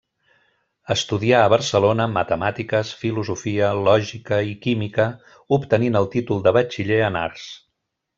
Estudià a Barcelona Matemàtiques, Filosofia, Lògica i Química, obtenint el títol de batxiller en Arts.